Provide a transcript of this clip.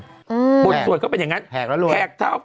บุญศูนย์เขาก็เป็นอย่างงั้นแหกแล้วลวย